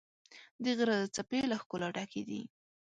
د غره څپې له ښکلا ډکې دي.